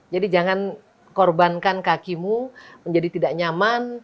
jadi jangan korbankan kakimu menjadi tidak nyaman